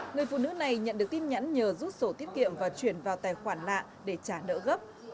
người phụ nữ này nhận được tin nhắn nhờ rút sổ tiết kiệm và chuyển vào tài khoản lạ để trả nỡ gấp